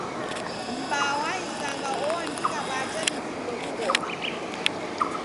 M'baa wa isanga oandika w'aja w'ifulo w'ughoma.